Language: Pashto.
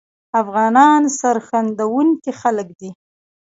افغانان سرښندونکي خلګ دي